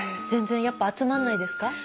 全然やっぱ集まんないですか？